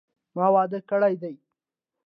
ما واده کړی دي